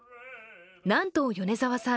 なんと米澤さん